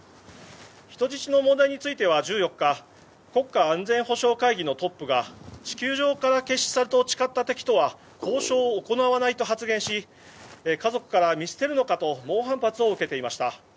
人質の問題については１４日国家安全保障会議のトップが地球上から消し去ると誓った敵とは交渉を行わないと発言し家族から、見捨てるのかと猛反発を受けていました。